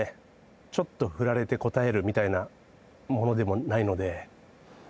ちょっと振られて答えるみたいなものでもないので。